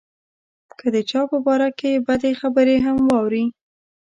که د چا په باره کې بدې خبرې هم واوري.